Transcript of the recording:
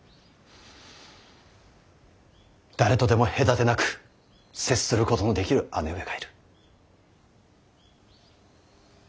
誰とでも隔てなく接することのできる姉上がいる。